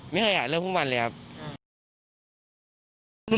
ไม่เคยอ่ะเรื่องพวกมันเลยครับ